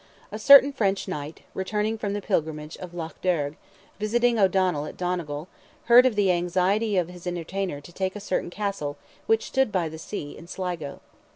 A certain French Knight, returning from the pilgrimage of Lough Derg, visiting O'Donnell at Donegal, heard of the anxiety of his entertainer to take a certain Castle which stood by the sea, in Sligo.